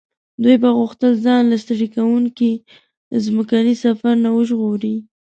دوی به غوښتل ځان له ستړي کوونکي ځمکني سفر نه وژغوري.